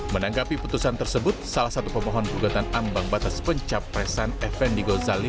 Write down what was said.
menanggapi putusan tersebut salah satu pemohon gugatan ambang batas pencapresan effendi gozali